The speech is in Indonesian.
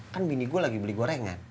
kan mini gue lagi beli gorengan